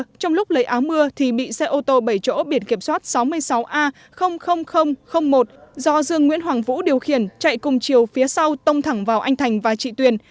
mở cốc xe lấy áo mưa để che mưa thì bị xe ô tô bảy chỗ biển kiểm soát sáu mươi sáu a một do dương nguyễn hoàng vũ điều khiển chạy cùng chiều phía sau tông thẳng vào anh thành và chị tuyền